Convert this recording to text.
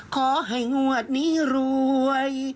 ขอให้งวดนี้รวย